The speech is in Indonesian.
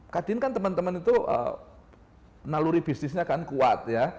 kadin kan teman teman itu naluri bisnisnya kan kuat ya